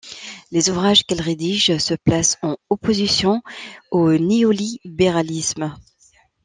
Les ouvrages qu’elle rédige se placent en opposition au néolibéralisme.